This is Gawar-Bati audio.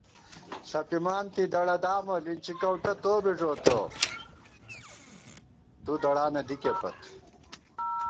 ݪَپِمان تِی دڑہ دامہ لِنچی کَؤٹہ تو بی ݫوتہ ، تُودڑانہ دِکےپت